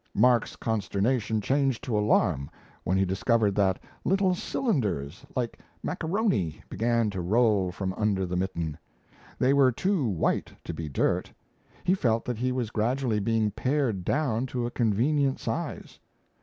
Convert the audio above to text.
Mark's consternation changed to alarm when he discovered that little cylinders, like macaroni, began to roll from under the mitten. They were too white to be dirt. He felt that he was gradually being pared down to a convenient size.